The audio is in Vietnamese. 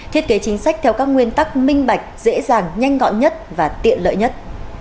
thiết kế chính sách theo các nguyên tắc minh bạch dễ dàng nhanh gọn nhất và tiện lợi nhất